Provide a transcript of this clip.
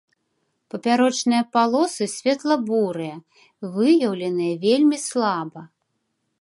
Папярочныя палосы светла-бурыя, выяўленыя вельмі слаба.